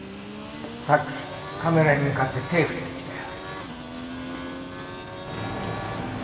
さっきカメラに向かって手振ってきたよ。